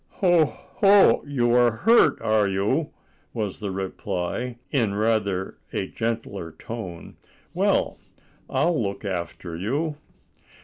"Ho, ho! you are hurt, are you?" was the reply, in rather a gentler tone. "Well, I'll look after you."